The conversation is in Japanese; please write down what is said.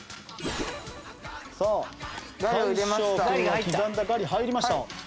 さあ大昇君は刻んだガリ入りました。